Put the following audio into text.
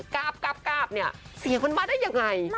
กราบกราบเนี่ยเสียงมันมาได้ยังไง